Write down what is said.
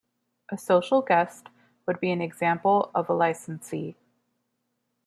A social guest would be an example of a licensee.